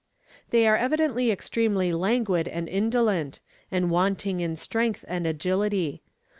They are evidently extremely languid and indolent, and wanting in strength and agility.